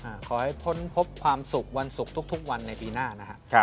ขอให้พ้นพบความสุขวันศุกร์ทุกวันในปีหน้านะฮะ